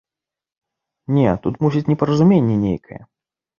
Не, тут, мусіць, непаразуменне нейкае.